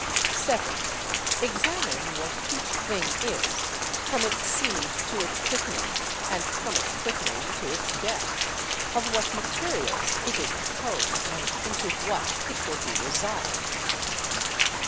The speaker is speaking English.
Second, examine what each thing is, from its seed to its quickening; and from its quickening to its death; of what materials it is composed, and into what it will be resolved.